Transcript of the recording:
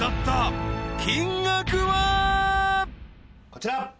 こちら。